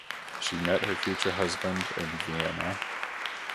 She met her future husband in Vienna.